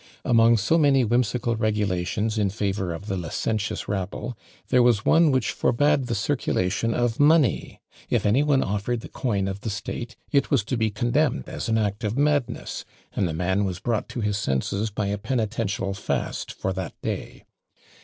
Among so many whimsical regulations in favour of the licentious rabble, there was one which forbad the circulation of money; if any one offered the coin of the state, it was to be condemned as an act of madness, and the man was brought to his senses by a penitential fast for that day.